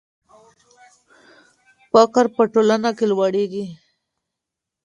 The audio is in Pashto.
فقر په ټولنه کې لوړېږي.